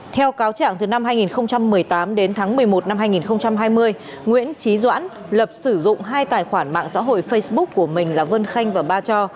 theo cáo trạng từ năm hai nghìn một mươi tám đến tháng một mươi một năm hai nghìn hai mươi nguyễn trí doãn lập sử dụng hai tài khoản mạng xã hội facebook của mình là vân khanh và ba cho